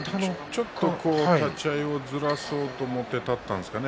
ちょっと立ち合いをずらそうと思っていたんですかね。